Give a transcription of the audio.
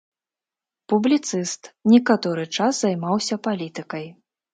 Публіцыст, некаторы час займаўся палітыкай.